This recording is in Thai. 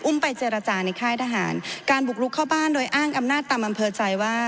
ไปเจรจาในค่ายทหารการบุกลุกเข้าบ้านโดยอ้างอำนาจตามอำเภอใจว่า